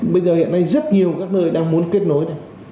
bây giờ hiện nay rất nhiều các nơi đang muốn kết nối được